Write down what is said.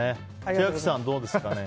千秋さん、どうですかね？